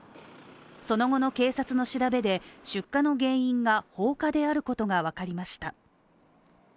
その後の警察の調べで、出火の原因が放火であることがわかりました。